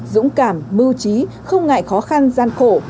dũng cảm mưu trí không ngại khó khăn gian khổ